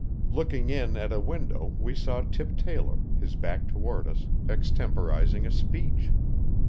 Looking in at a window we saw Tip Taylor, his back toward us, extemporising a speech.